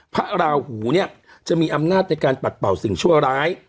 พระราหูเนี่ยจะมีอำนาจในการปัดเป่าสิ่งชั่วร้าย